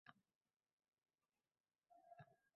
Qorovulga boshimdan o`tgan voqeani gapirib berdim